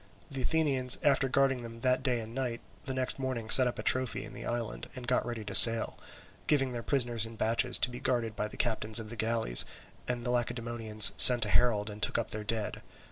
The Athenians, after guarding them that day and night, the next morning set up a trophy in the island, and got ready to sail, giving their prisoners in batches to be guarded by the captains of the galleys; and the Lacedaemonians sent a herald and took up their dead.